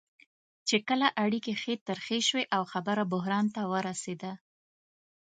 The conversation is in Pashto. چې کله اړیکې ښې ترخې شوې او خبره بحران ته ورسېده.